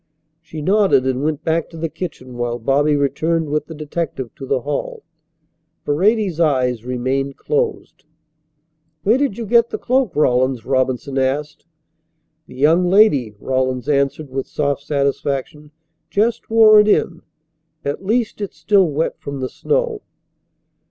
She nodded and went back to the kitchen while Bobby returned with the detective to the hall. Paredes's eyes remained closed. "Where did you get the cloak, Rawlins?" Robinson asked. "The young lady," Rawlins answered with soft satisfaction, "just wore it in. At least it's still wet from the snow."